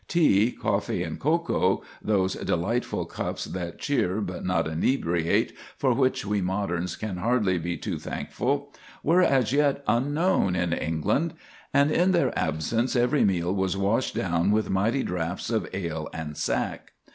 Tea, coffee, and cocoa—those delightful cups that cheer but not inebriate, for which we moderns can hardly be too thankful—were as yet unknown in England; and, in their absence, every meal was washed down with mighty draughts of ale and sack.